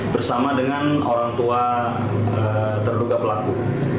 bersama dengan orang tua terduga pelaku